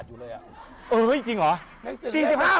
อุ้ยจริงหรอ